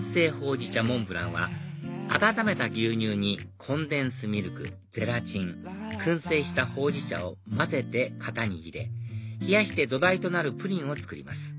焙じ茶モンブランは温めた牛乳にコンデンスミルクゼラチン燻製したほうじ茶を混ぜて型に入れ冷やして土台となるプリンを作ります